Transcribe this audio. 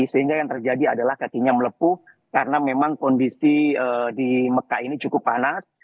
sehingga yang terjadi adalah kakinya melepuh karena memang kondisi di mekah ini cukup panas